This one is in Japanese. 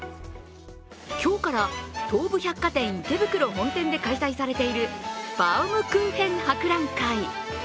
今日から東武百貨店池袋本店で開催されているバウムクーヘン博覧会。